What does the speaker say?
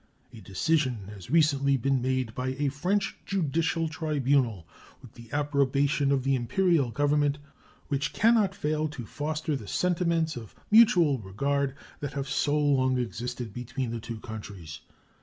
A decision has recently been made by a French judicial tribunal, with the approbation of the Imperial Government, which can not fail to foster the sentiments of mutual regard that have so long existed between the two countries.